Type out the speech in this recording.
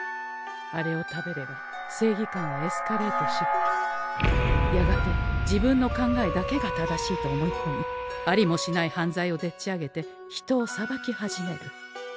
あれを食べれば正義感はエスカレートしやがて自分の考えだけが正しいと思いこみありもしない犯罪をでっちあげて人を裁き始める。